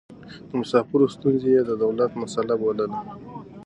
د مسافرو ستونزې يې د دولت مسئله بلله.